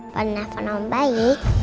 pernahpon om bayi